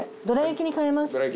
どらやきに変えます。